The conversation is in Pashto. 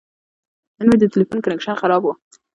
نن مې د تلیفون کنکشن خراب و.